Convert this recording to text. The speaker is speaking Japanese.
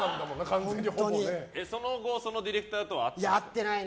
その後、そのディレクターとは会ってないの？